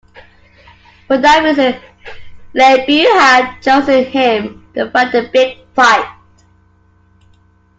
For that reason Le Beau had chosen him to fight the big fight.